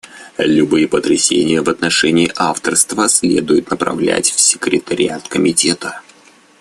Любые пояснения в отношении авторства следует направлять в секретариат Комитета.